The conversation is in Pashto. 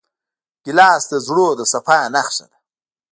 ګیلاس د زړونو د صفا نښه ده.